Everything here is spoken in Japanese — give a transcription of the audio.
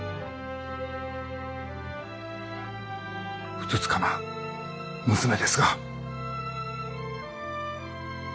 ふつつかな娘ですが。